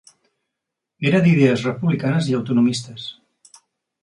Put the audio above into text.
Era d'idees republicanes i autonomistes.